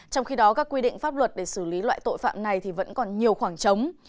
trong khi đó các quy định pháp luật để xử lý loại tội phạm này vẫn còn nhiều khoảng trống